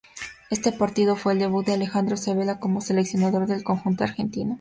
Este partido fue el debut de Alejandro Sabella como seleccionador del conjunto argentino.